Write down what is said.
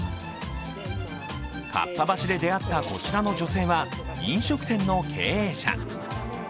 かっぱ橋で出会ったこちらの女性は飲食店の経営者。